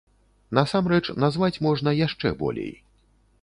Насамрэч назваць можна яшчэ болей.